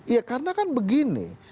iya karena kan begini